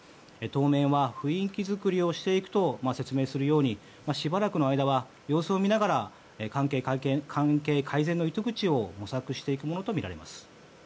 当面は雰囲気作りをしていくと説明するようにしばらくの間は様子を見ながら関係改善の糸口を模索していくものとみられます。